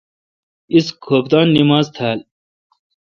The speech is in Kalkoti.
اس کوفتانہ نماز تھال۔